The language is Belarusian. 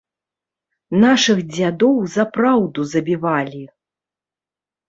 Нашых дзядоў за праўду забівалі!